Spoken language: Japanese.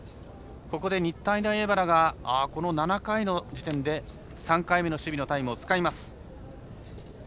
ここで日体大荏原がこの７回の時点で３回目の守備のタイムを使います。